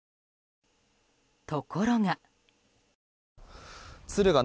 ところが。